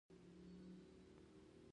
تاسې درې بندیان ووژل او ماته مو اخطار راکړ